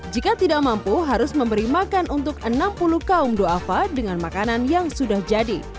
jika tidak mampu harus memberi makan untuk enam puluh kaum ⁇ doafa ⁇ dengan makanan yang sudah jadi